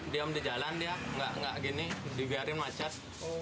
diam di jalan dia nggak gini dibiarin macet